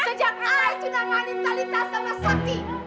sejak aku cinta sama talitha sama saki